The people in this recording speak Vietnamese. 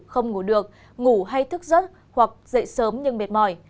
không ngủ được ngủ hay thức giấc hoặc dậy sớm nhưng mệt mỏi